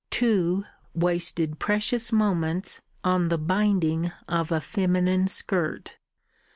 Two wasted precious moments on the binding of a feminine skirt.